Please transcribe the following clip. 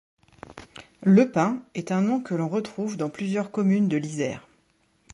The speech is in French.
Le Pin est un nom que l'on retrouve dans plusieurs communes de l'Isère.